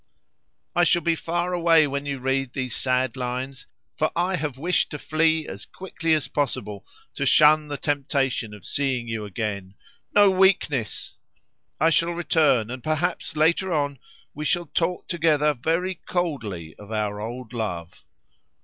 "I shall be far away when you read these sad lines, for I have wished to flee as quickly as possible to shun the temptation of seeing you again. No weakness! I shall return, and perhaps later on we shall talk together very coldly of our old love.